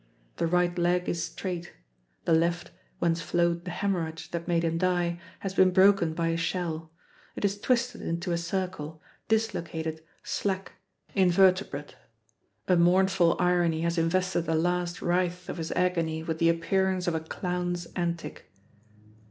The right leg is straight. The left, whence flowed the hemorrhage that made him die, has been broken by a shell; it is twisted into a circle, dislocated, slack, invertebrate. A mournful irony has invested the last writhe of his agony with the appearance of a clown's antic.